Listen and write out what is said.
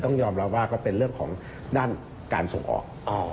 ยอมรับว่าก็เป็นเรื่องของด้านการส่งออก